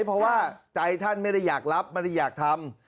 เพราะว่าใจท่านไม่ได้อยากรับไม่ได้อยากทำ